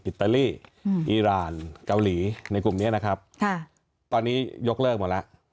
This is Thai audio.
อิตาลีอีรานเกาหลีในกลุ่มนี้นะครับตอนนี้ยกเลิกหมดแล้ว